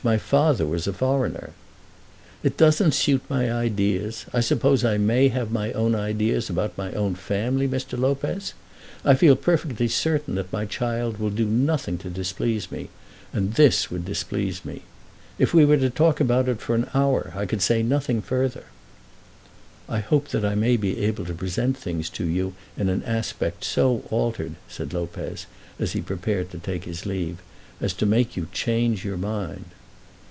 My father was a foreigner." "It doesn't suit my ideas. I suppose I may have my own ideas about my own family, Mr. Lopez? I feel perfectly certain that my child will do nothing to displease me, and this would displease me. If we were to talk for an hour I could say nothing further." "I hope that I may be able to present things to you in an aspect so altered," said Lopez as he prepared to take his leave, "as to make you change your mind."